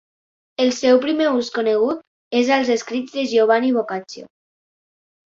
El seu primer ús conegut és als escrits de Giovanni Boccaccio.